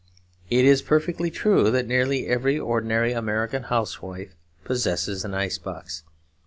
It is perfectly true that nearly every ordinary American housewife possesses an ice box.